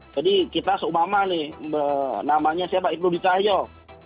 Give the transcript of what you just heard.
jadi kita seumama nih namanya siapa ibnuddin cahyaw